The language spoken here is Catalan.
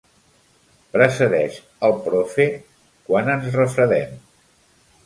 Precedeix el “profè” quan ens refredem.